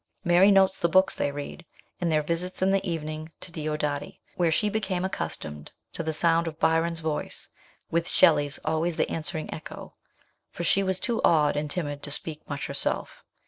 Mary notes the books they read, and their visits in the evening to Diodati, where she became accustomed to the sound of Byron's voice, with Shelley's always the answering echo, for she was too awed and timid to speak much herself.